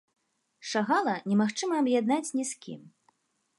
Шагала немагчыма аб'яднаць ні з кім.